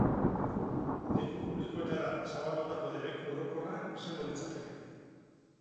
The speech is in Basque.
Leku publikoetara zabaldutako debeku orokorra izango litzateke.